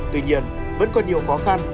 tuy nhiên vẫn còn nhiều khó khăn